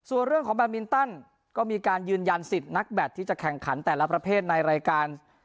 ส่วนเรื่องของแบมินตันก็มีการยืนยันสิทธิ์นักแบตที่จะแข่งขันแต่ละประเภทในรายการ